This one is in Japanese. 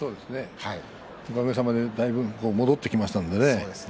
おかげさまでだいぶ戻ってきましたのでね。